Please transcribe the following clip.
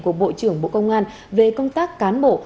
của bộ trưởng bộ công an về công tác cán bộ